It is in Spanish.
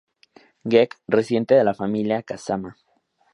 Geek residente de la familia Kazama.